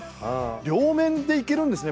両面でいけるんですね。